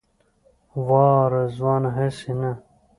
وا رضوانه هسې نه.